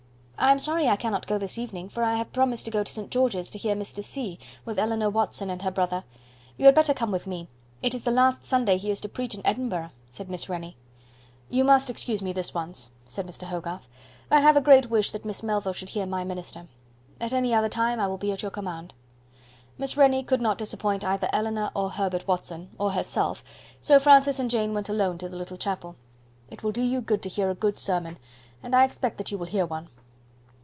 "I am sorry I cannot go this evening, for I have promised to go to St. George's, to hear Mr. C , with Eleanor Watson and her brother. You had better come with me; it is the last Sunday he is to preach in Edinburgh," said Miss Rennie. "You must excuse me this once," said Mr. Hogarth; "I have a great wish that Miss Melville should hear my minister. At any other time I will be at your command." Miss Rennie could not disappoint either Eleanor or Herbert Watson, or herself; so Francis and Jane went alone to the little chapel. "It will do you good to hear a good sermon, and I expect that you will hear one."